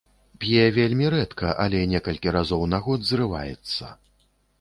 П'е вельмі рэдка, але некалькі разоў на год зрываецца.